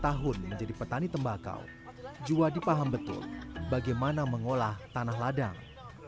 dua puluh lima tahun menjadi petani tembakau juwadi paham betul bagaimana mengolah tanah ladang